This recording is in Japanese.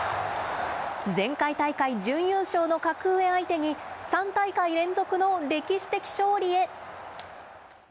前回大会準優勝の格上相手に３大会連続の歴史的勝利へ。